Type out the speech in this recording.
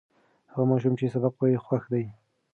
هغه ماشوم چې سبق وایي، خوښ دی.